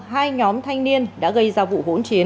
hai nhóm thanh niên đã gây ra vụ hỗn chiến